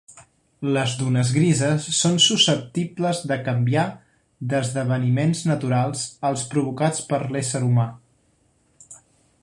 Les dunes grises són susceptibles de canviar d'esdeveniments naturals als provocats per l'ésser humà.